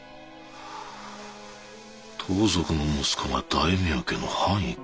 盗賊の息子が大名家の藩医か。